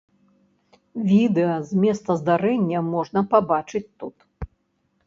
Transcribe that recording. Відэа з месца здарэння можна пабачыць тут.